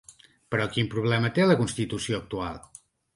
Però quin problema té la constitució actual?